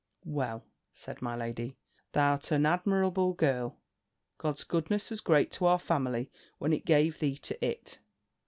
"Well," said my lady, "thou'rt an admirable girl! God's goodness was great to our family, when it gave thee to it.